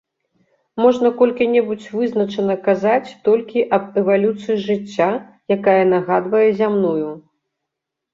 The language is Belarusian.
Можна колькі-небудзь вызначана казаць толькі аб эвалюцыі жыцця, якая нагадвае зямную.